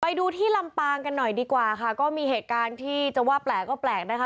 ไปดูที่ลำปางกันหน่อยดีกว่าค่ะก็มีเหตุการณ์ที่จะว่าแปลกก็แปลกนะคะ